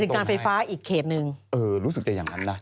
การไฟฟ้าอีกเขตหนึ่งเออรู้สึกจะอย่างนั้นนะ